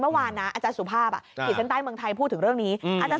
เมื่อวานนะอาจารย์สุภาพขีดเส้นใต้เมืองไทยพูดถึงเรื่องนี้